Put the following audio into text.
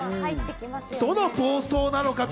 どの暴走なのかと。